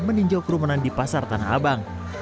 meninjau kerumunan di pasar tanah abang